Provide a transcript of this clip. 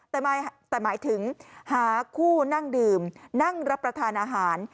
แต่หมายถึงหาคู่นั่งดื่มนั่งรับประทานอาหาร